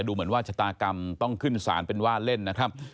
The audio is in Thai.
ดูเหมือนว่าชะตากรรมต้องขึ้นสารเป็นว่าเล่นนะครับ